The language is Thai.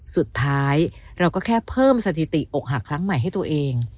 สุดท้ายเราก็แค่เพิ่มสถิติอกหักครั้งใหม่ให้ตัวเอง